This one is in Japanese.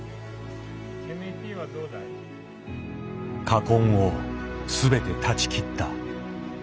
禍根を全て断ち切った。